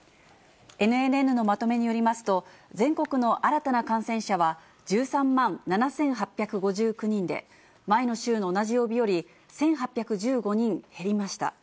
ＮＮＮのまとめによりますと、全国の新たな感染者は１３万７８５９人で、前の週の同じ曜日より１８１５人減りました。